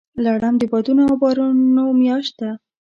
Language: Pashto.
لړم د بادونو او بارانونو میاشت ده.